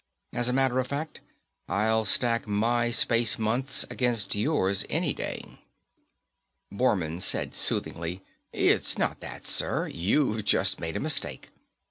As a matter of fact, I'll stack my space months against yours any day." Bormann said soothingly, "It's not that, sir. You've just made a mistake.